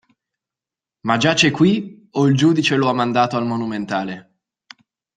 Ma giace qui, o il giudice lo ha mandato al Monumentale?